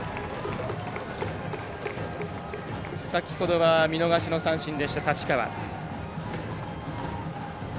先ほどは見逃しの三振でした太刀川。